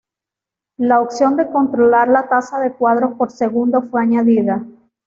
La opción de controlar la tasa de cuadros por segundo fue añadida.